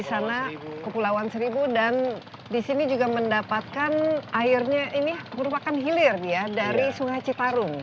sana ke pulauan seribu dan disini juga mendapatkan airnya ini merupakan hilir ya dari sungai citarun